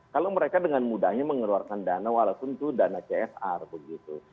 kalau mereka dengan mudahnya mengeluarkan dana walaupun itu dana csr begitu